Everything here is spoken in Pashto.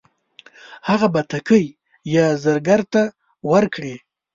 هغه بتکۍ یې زرګر ته ورکړې.